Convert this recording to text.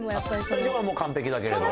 スタジオはもう完璧だけれども？